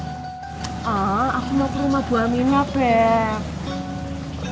ah aku mau ke rumah bu aminah beb